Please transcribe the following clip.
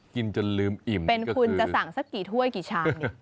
กินจนลืมอิ่มเป็นคุณจะสั่งสักกี่ถ้วยกี่ชามเนี่ย